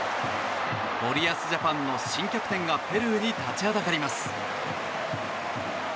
森保ジャパンの新キャプテンがペルーに立ちはだかります。